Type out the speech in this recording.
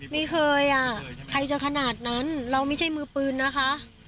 ไม่เคยอ่ะใครจะขนาดนั้นเราไม่ใช่มือปืนนะคะ